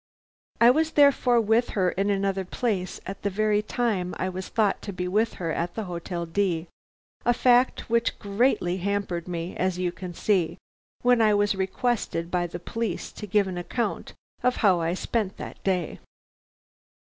I was therefore with her in another place at the very time I was thought to be with her at the Hotel D , a fact which greatly hampered me, as you can see, when I was requested by the police to give an account of how I spent that day.